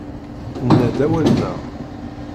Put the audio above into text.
Nenna-d awal-nneɣ.